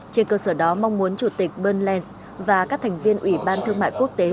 trên cơ sở đó mong muốn chủ tịch bern lan và các thành viên ủy ban thương mại quốc tế